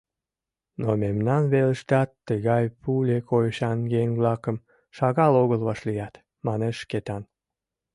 Но мемнан велыштат тыгай пуле койышан еҥ-влакым шагал огыл вашлият, — манеш Шкетан.